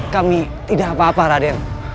kami tidak apa apa raden